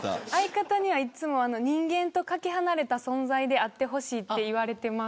相方には、いつも人間とかけ離れた存在であってほしいと言われています。